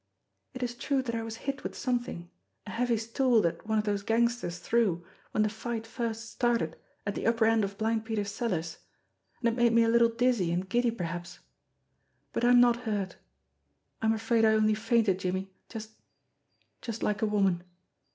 "It is true that I was hit with something, a heavy stool that one of those gangsters threw when the fight first started at the upper end of Blind Peter's cellars, and it made me a little dizzy and giddy perhaps. But I am not hurt. I am afraid I only fainted, Jimmie, just just like a woman."